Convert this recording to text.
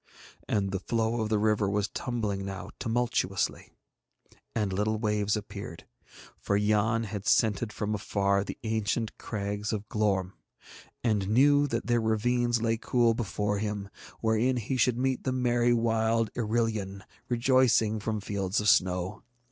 And the flow of the river was tumbling now tumultuously, and little waves appeared; for Yann had scented from afar the ancient crags of Glorm, and knew that their ravines lay cool before him wherein he should meet the merry wild Irillion rejoicing from fields of snow.